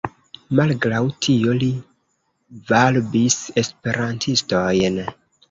Malgraŭ tio li varbis Esperantistojn.